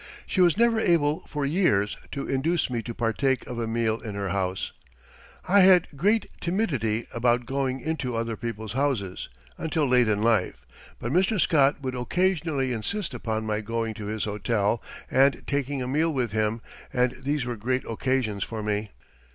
She was never able for years to induce me to partake of a meal in her house. I had great timidity about going into other people's houses, until late in life; but Mr. Scott would occasionally insist upon my going to his hotel and taking a meal with him, and these were great occasions for me.